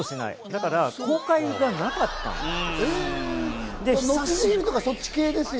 だから公開がなかったんです。